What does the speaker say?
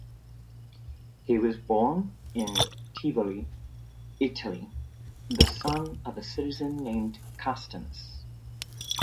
He was born in Tivoli, Italy, the son of a citizen named Castinus.